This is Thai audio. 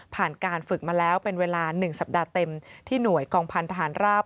การฝึกมาแล้วเป็นเวลา๑สัปดาห์เต็มที่หน่วยกองพันธหารราบ